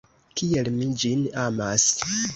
Kiel mi ĝin amas!